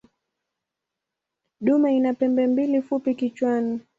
Dume ina pembe mbili fupi kichwani.